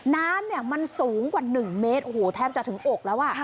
น้ำมันสูงกว่า๑เมตรโอ้โหแทบจะถึงอกแล้วอ่ะ